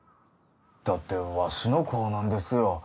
だってわしの子なんですよ